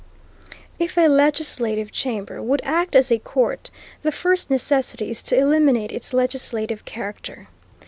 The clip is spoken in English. If a legislative chamber would act as a court, the first necessity is to eliminate its legislative character.